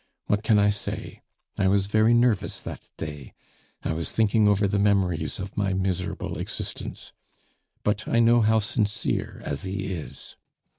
(What can I say? I was very nervous that day; I was thinking over the memories of my miserable existence.) But I know how sincere Asie is.